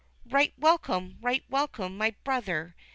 "Right welcome! Right welcome! my brother!"